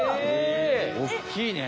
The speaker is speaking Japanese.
おっきいね。